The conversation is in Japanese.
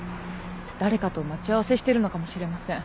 誰かと待ち合わせしてるのかもしれません。